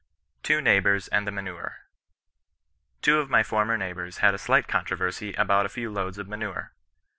TWO NEIGHBOURS AND THE MANURE. Two of my former neighbours had a slight controversy about a few loads of manure.